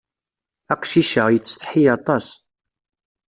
Aqcic-a, yettsetḥi aṭas.